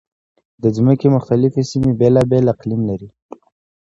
د ځمکې مختلفې سیمې بېلابېل اقلیم لري.